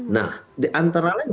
nah diantara lain